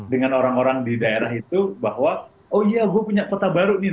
dengan orang orang di daerah itu bahwa oh iya gue punya kota baru nih